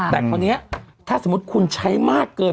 แต่วันที่นี้ถ้าคุณใช้มากเกิน